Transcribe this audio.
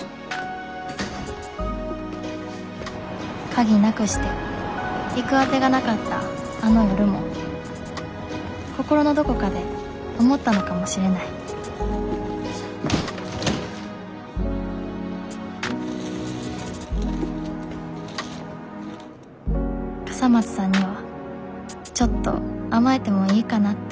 鍵なくして行く当てがなかったあの夜も心のどこかで思ったのかもしれない笠松さんにはちょっと甘えてもいいかなって